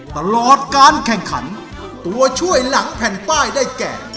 ตลอดการแข่งขันตัวช่วยหลังแผ่นป้ายได้แก่